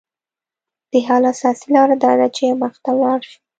د حل اساسي لاره داده چې مخ ته ولاړ شو